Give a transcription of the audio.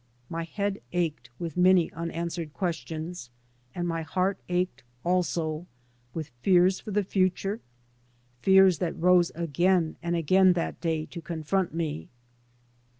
My head ached with many unanswered questions, and my heart ached also, with fears for the future, fears that rose again and again that day to con front me.